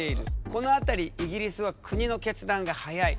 この辺りイギリスは国の決断が早い。